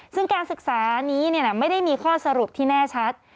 ซึ่งการศึกษานี้ไม่ได้มีข้อสรุปที่แน่ชัด